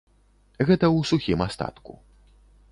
Гэта ў сухім астатку.